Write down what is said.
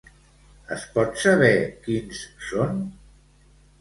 Es pot saber quins són?